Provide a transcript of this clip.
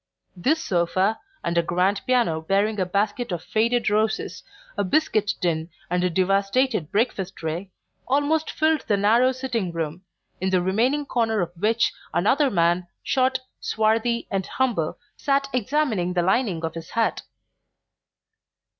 This sofa, and a grand piano bearing a basket of faded roses, a biscuit tin and a devastated breakfast tray, almost filled the narrow sitting room, in the remaining corner of which another man, short, swarthy and humble, sat examining the lining of his hat.